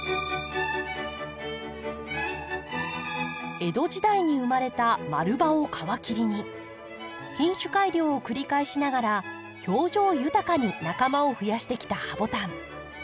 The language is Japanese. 江戸時代に生まれた丸葉を皮切りに品種改良を繰り返しながら表情豊かに仲間を増やしてきたハボタン。